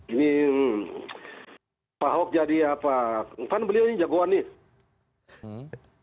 ini pak ahok jadi apa kan beliau ini jagoan nih